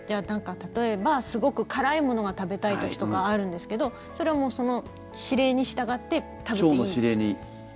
例えばすごく辛いものが食べたい時とかあるんですけどそれはもうその指令に従って食べていい？